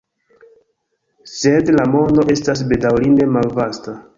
Sed la mondo estas, bedaŭrinde, malvasta.